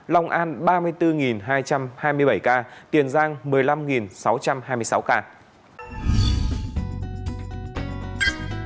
lòng an ba mươi bốn hai trăm hai mươi bảy ca tiền giang một mươi năm sáu trăm hai mươi sáu ca